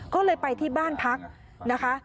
ก็เลยไปที่บ้านพักนะคะ